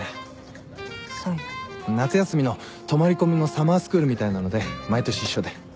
夏休みの泊まり込みのサマースクールみたいなので毎年一緒で。